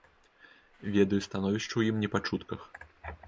Ведаю становішча ў ім не па чутках.